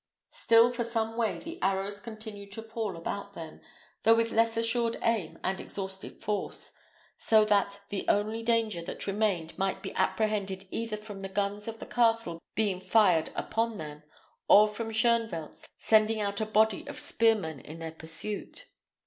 Still for some way the arrows continued to fall about them, though with less assured aim and exhausted force; so that the only danger that remained might be apprehended either from the guns of the castle being fired upon them, or from Shoenvelt sending out a body of spearmen in their pursuit.